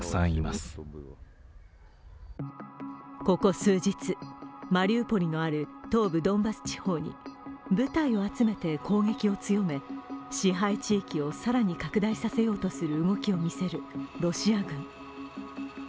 ここ数日、マリウポリのある東部ドンバス地方に部隊を集めて攻撃を強め、支配地域を更に拡大させようとする動きを見せるロシア軍。